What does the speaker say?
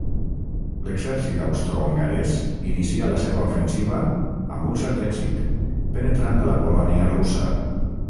L'exèrcit austrohongarès inicià la seva ofensiva amb un cert èxit, penetrant a la Polònia russa.